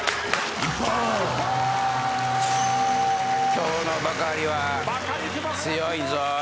今日のバカリは強いぞ。